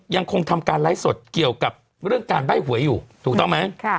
ยังคงทำการไลฟ์สดเกี่ยวกับเรื่องการใบ้หวยอยู่ถูกต้องไหม